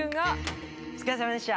お疲れさまでした！